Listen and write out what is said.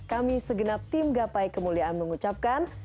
kami segenap tim gapai kemuliaan mengucapkan